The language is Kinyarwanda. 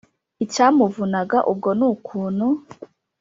Icyamuvunaga ubwo ni ukuntu